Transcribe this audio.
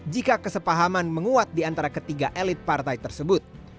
jika kesepahaman menguat di antara ketiga elit partai tersebut